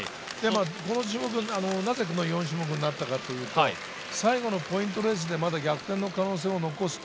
この種目、なぜ４種目になったかというと最後のポイントレースでまだ逆転の可能性を残すと。